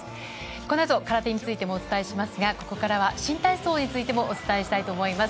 この後、空手についてもお伝えしますがここからは新体操についてもお伝えします。